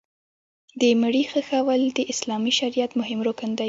د مړي ښخول د اسلامي شریعت مهم رکن دی.